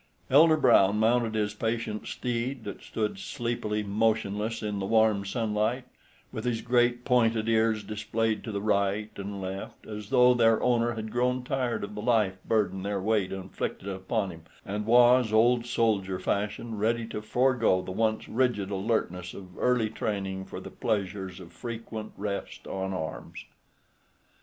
Elder Brown mounted his patient steed that stood sleepily motionless in the warm sunlight, with his great pointed ears displayed to the right and left, as though their owner had grown tired of the life burden their weight inflicted upon him, and was, old soldier fashion, ready to forego the once rigid alertness of early training for the pleasures of frequent rest on arms.